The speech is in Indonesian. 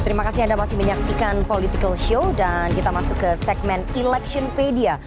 terima kasih anda masih menyaksikan political show dan kita masuk ke segmen electionpedia